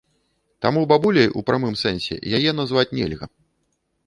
Таму бабуляй ў прамым сэнсе яе назваць нельга.